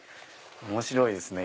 面白いですね